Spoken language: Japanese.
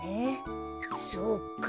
そうか。